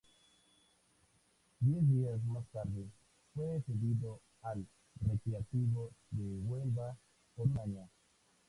Diez días más tarde, fue cedido al Recreativo de Huelva por un año.